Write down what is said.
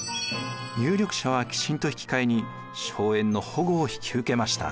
有力者は寄進と引き換えに荘園の保護を引き受けました。